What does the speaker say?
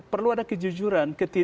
perlu ada kejujuran